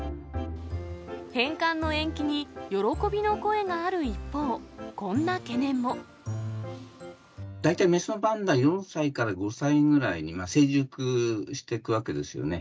返還の延期に、喜びの声がある一方、こんな懸念も。大体雌のパンダ、４歳から５歳ぐらいに成熟していくわけですよね。